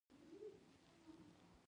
چې په هره پلمه کېدلای شي مولنا هلته وساتي.